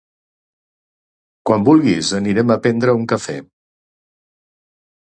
quan vulguis anirem a pendre un cafè.